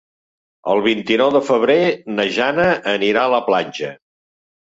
El vint-i-nou de febrer na Jana anirà a la platja.